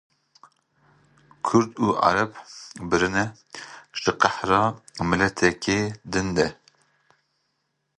Kurd û Arab birin e. ji qehrê miltekê din de.